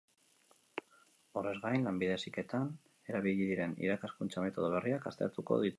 Horrez gain, lanbide heziketan erabili diren irakaskuntza metodo berriak aztertuko dituzte.